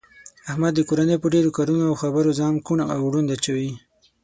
احمد د کورنۍ په ډېرو کارونو او خبرو ځان کوڼ او ړوند اچوي.